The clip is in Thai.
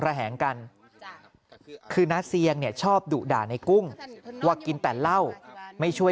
ระแหงกันคือน้าเซียงเนี่ยชอบดุด่าในกุ้งว่ากินแต่เหล้าไม่ช่วย